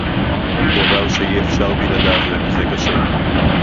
דבר שאי-אפשר בלעדיו לנכה קשה